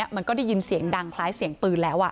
มันก็ได้ยินเสียงดังคล้ายเสียงปืนแล้ว